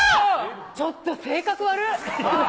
ちょっと性格悪。